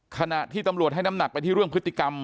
ขณะที่ตำรวจให้น้ำหนักบึบในการพฤติกรรม